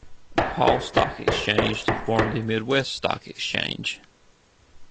Paul Stock Exchange to form the Midwest Stock Exchange.